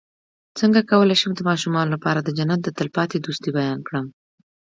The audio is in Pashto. څنګه کولی شم د ماشومانو لپاره د جنت د تل پاتې دوستۍ بیان کړم